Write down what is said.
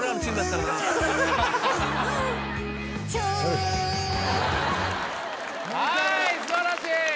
チューはい素晴らしい！